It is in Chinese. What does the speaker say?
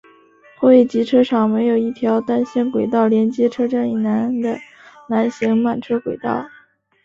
汇集车厂设有一条单线轨道连接车站以南的南行慢车轨道。